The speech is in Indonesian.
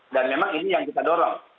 dan memang ini yang kita dorong